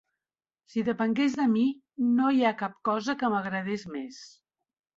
Si depengués de mi, no hi ha cap cosa que m'agradés més.